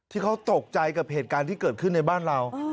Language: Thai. ที่เขาตกใจกับเหตุการณ์ที่เกิดขึ้นในบ้านเรา